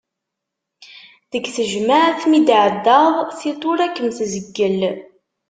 Deg tejmaɛt mi d-tɛeddaḍ, tiṭ ur ad kem-tzeggel.